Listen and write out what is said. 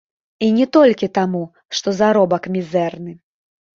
І не толькі таму, што заробак мізэрны.